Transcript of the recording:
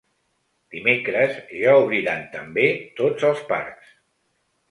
Dimecres ja obriran també tots els parcs.